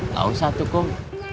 gak usah tuh kum